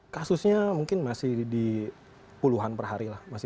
kasusnya mungkin masih di puluhan per hari lah